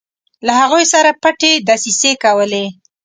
له هغوی سره پټې دسیسې کولې.